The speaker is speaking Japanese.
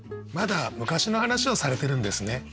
まだ昔の話をされてるんですね。